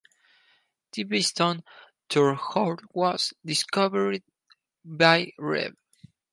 The Beeston Tor hoard was discovered by Rev.